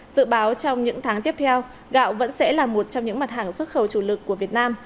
dự báo trong những tháng tiếp theo gạo vẫn sẽ là một trong những mặt hàng xuất khẩu chủ lực của việt nam